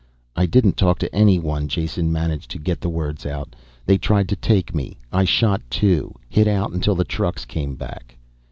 "I didn't talk to anyone." Jason managed to get the words out. "They tried to take me, I shot two hid out until the trucks came back."